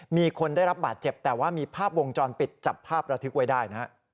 มีคนได้รับบาดเจ็บแต่ว่ามีภาพวงจรปิดจับภาพระทึกไว้ได้นะฮะ